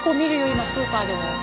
今スーパーでも。